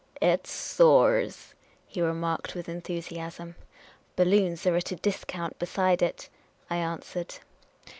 " It soars !" he remarked, with enthusiasm. Balloons are at a discount beside it," I answered.